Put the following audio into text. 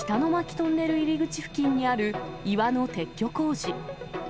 トンネル入り口付近にある岩の撤去工事。